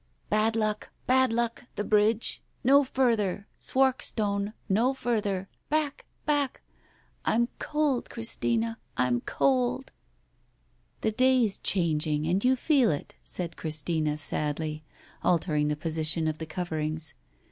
"Bad luck! Bad luck! The Bridge. ... No further. ... Swarkstone. No further. Back ! Back ! I'm cold, Christina. I'm cold. ..." "The day's changing and you feel it," said Christina sadly, altering the position of the coverings.